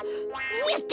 やった！